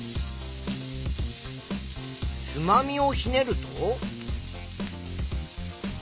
つまみをひねると。